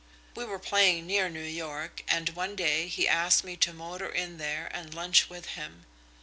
We were playing near New York and one day he asked me to motor in there and lunch with him.